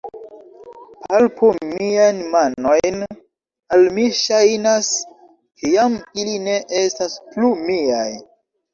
Palpu miajn manojn; al mi ŝajnas, ke jam ili ne estas plu miaj.